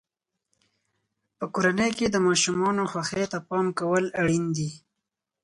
په کورنۍ کې د ماشومانو خوښۍ ته پام کول اړین دي.